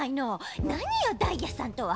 なによ「ダイヤさん」とは。